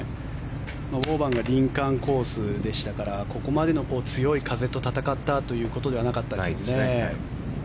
ウォーバンが林間コースでしたからここまでの強い風と戦ったということではなかったですね。